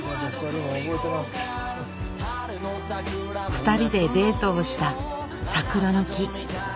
２人でデートをした桜の木。